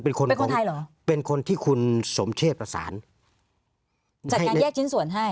เป็นคนไทยเป็นคนไทยเหรอเป็นคนที่คุณสมเชษประสานจัดการแยกชิ้นส่วนให้